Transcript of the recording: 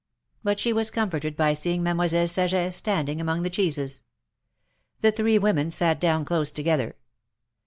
" But she was comforted by seeing Mademoiselle Saget standing among the cheeses. The three women sat down close together.